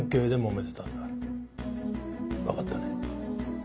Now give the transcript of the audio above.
わかったね？